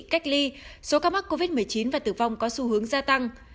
cách ly số ca mắc covid một mươi chín và tử vong có xu hướng gia tăng